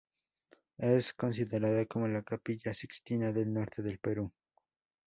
Es considera como la "Capilla Sixtina del norte del Perú".